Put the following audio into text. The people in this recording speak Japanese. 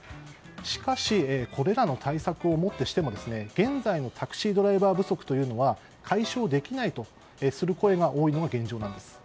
しかしこれらの対策をもってしても現在のタクシードライバー不足は解消できないとする声が多いのが現状です。